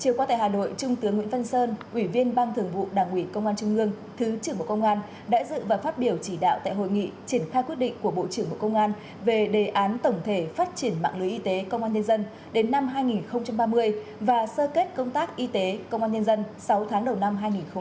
chiều qua tại hà nội trung tướng nguyễn văn sơn ủy viên ban thường vụ đảng ủy công an trung ương thứ trưởng bộ công an đã dự và phát biểu chỉ đạo tại hội nghị triển khai quyết định của bộ trưởng bộ công an về đề án tổng thể phát triển mạng lưới y tế công an nhân dân đến năm hai nghìn ba mươi và sơ kết công tác y tế công an nhân dân sáu tháng đầu năm hai nghìn hai mươi ba